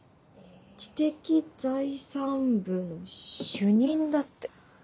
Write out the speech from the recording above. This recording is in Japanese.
知的財産部の主任だって。